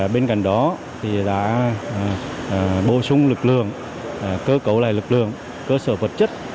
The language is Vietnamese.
bên cạnh đó đã bổ sung lực lượng cơ cấu lại lực lượng cơ sở vật chất